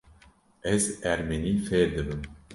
Ez ermenî fêr dibim.